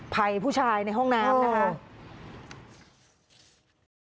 ภัยผู้ชายในห้องน้ำนะคะ